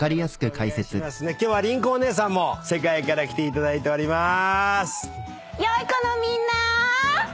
今日は凛子お姉さんも世界から来ていただいておりまーす！